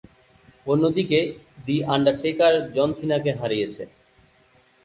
অন্যদিকে, the Undertaker John সিনাকে হারিয়েছে।